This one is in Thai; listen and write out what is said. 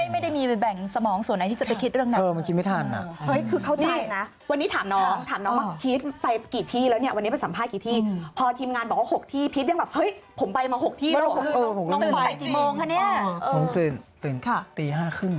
ไม่ได้มีไปแบ่งสมองส่วนไหนที่จะไปคิดเรื่องนั้น